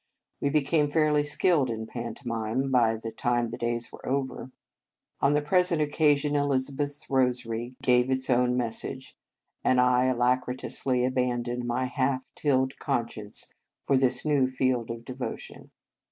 We became fairly skilled in pantomime by the time the days were over. On the present occasion, Eliza beth s rosary gave its own message, and I alacritously abandoned my half tilled conscience for this new field of devotion.